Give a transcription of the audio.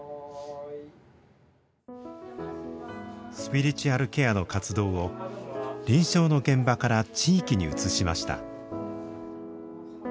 スピリチュアルケアの活動を臨床の現場から地域に移しました。